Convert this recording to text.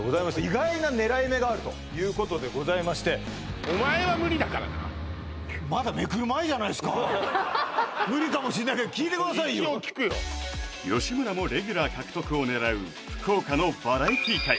意外な狙い目があるということでございましてまだめくる前じゃないですか無理かもしんないけど聞いてくださいよ一応聞くよ吉村もレギュラー獲得を狙う福岡のバラエティ界